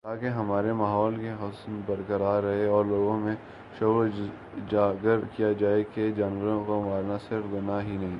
تاکہ ہمارے ماحول کی حسن برقرار رہے اور لوگوں میں شعور اجاگر کیا جائے کہ جانوروں کو مار نا صرف گناہ ہی نہیں